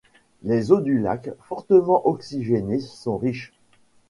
Les eaux du lac, fortement oxygénées, sont riches.